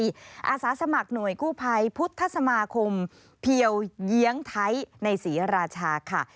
อาสาสมัครหน่วยกู้ภัยพุทธสมาคมเพียวเยียงไทยในศรีราชาค่ะ